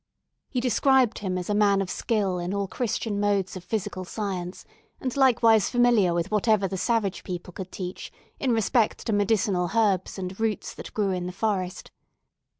He described him as a man of skill in all Christian modes of physical science, and likewise familiar with whatever the savage people could teach in respect to medicinal herbs and roots that grew in the forest.